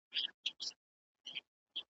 خو شعر په مشخصه او ټاکلې ژبه لیکل کیږي .